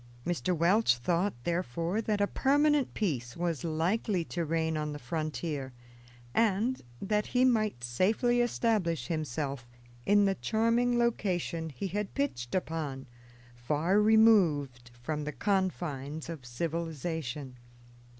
Mr. Welch thought, therefore, that a permanent peace was likely to reign on the frontier, and that he might safely establish himself in the charming location he had pitched upon, far removed from the confines of civilization.